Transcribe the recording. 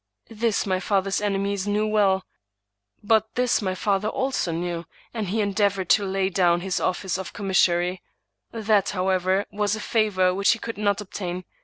This my father's enemies well knew, but this my father also' knew ; and he endeavored to lay down his office of commis sary. That, however, was a favor which he could not ob tain.